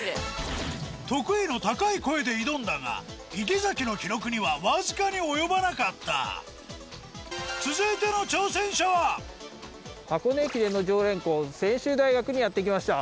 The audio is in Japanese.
得意の高い声で挑んだが池崎の記録にはわずかに及ばなかった箱根駅伝の常連校専修大学にやって来ました。